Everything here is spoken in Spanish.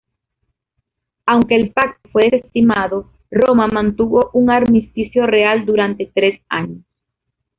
Aunque el pacto fue desestimado, Roma mantuvo un armisticio real durante tres años.